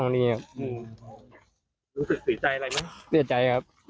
และพี่เจ็บ